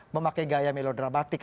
memakai gaya melodramatik